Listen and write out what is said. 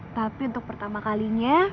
tapi untuk pertama kali